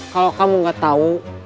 kalo kamu gak tau